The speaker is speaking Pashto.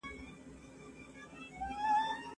هغه کتاب زما ډېر خوښ سو.